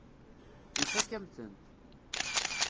Ifakk-am-tent.